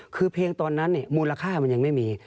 คือเพลงตอนนั้นมูลค่ามันยังไม่มี